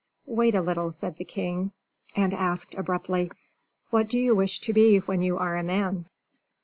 "Wait a little," said the king, and asked, abruptly, "What do you wish to be when you are a man?"